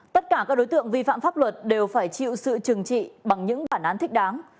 tất cả các đối tượng vi phạm pháp luật đều phải chịu sự trừng trị bằng những bản án thích đáng